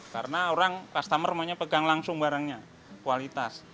karena orang customer makanya pegang langsung barangnya kualitas